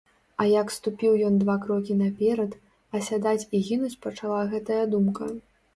А як ступіў ён два крокі наперад, асядаць і гінуць пачала гэтая думка.